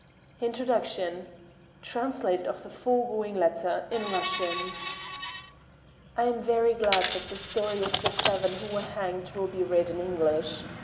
INTRODUCTION [Translation of the Foregoing Letter in Russian] I am very glad that "The Story of the Seven Who Were Hanged" will be read in English.